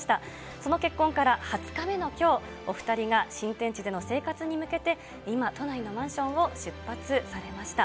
その結婚から２０日目のきょう、お２人が新天地での生活に向けて、今、都内のマンションを出発されました。